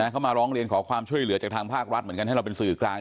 เขามาร้องเรียนขอความช่วยเหลือจากทางภาครัฐเหมือนกันให้เราเป็นสื่อกลาง